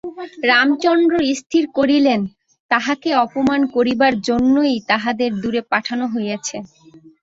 রামচন্দ্র স্থির করিলেন, তাঁহাকে অপমান করিবার জন্যই তাহাদের দূরে পাঠানো হইয়াছে।